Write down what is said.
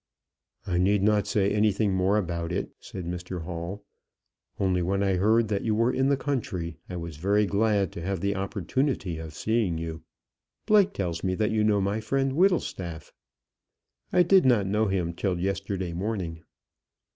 "I need not say anything more about it," said Mr Hall; "only when I heard that you were in the country, I was very glad to have the opportunity of seeing you. Blake tells me that you know my friend Whittlestaff." "I did not know him till yesterday morning."